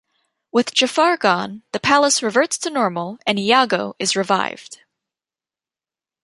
With Jafar gone, the palace reverts to normal and Iago is revived.